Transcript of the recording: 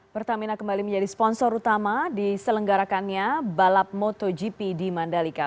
pertamina kembali menjadi sponsor utama diselenggarakannya balap motogp di mandalika